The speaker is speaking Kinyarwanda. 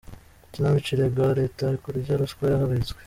Ikinamico irega Leta kurya ruswa yahagaritswe